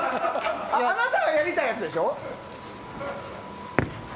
あなたがやりたいやつでしょ？